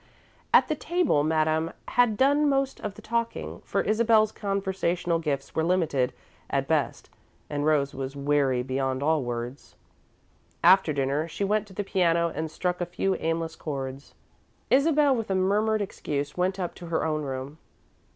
At the table, Madame had done most of the talking, for Isabel's conversational gifts were limited, at best, and Rose was weary beyond all words. After dinner she went to the piano and struck a few aimless chords. Isabel, with a murmured excuse, went up to her own room.